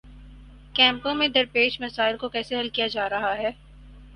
کیمپوں میں درپیش مسائل کو کیسے حل کیا جا رہا ہے؟